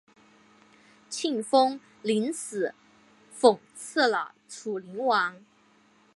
庆封临死讽刺了楚灵王。